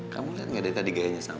kamu liat gak deh tadi gayanya sama